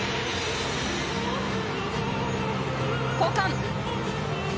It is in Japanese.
交換！